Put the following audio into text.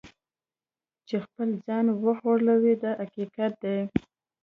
چې خپل ځان وغولوي دا حقیقت دی.